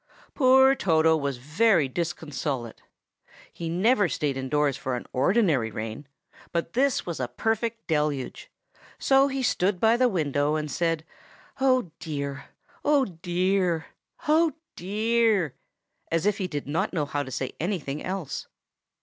Poor Toto was very disconsolate. He never stayed indoors for an ordinary rain, but this was a perfect deluge; so he stood by the window and said, "Oh, dear! oh, dear!! oh, dear!!!" as if he did not know how to say anything else.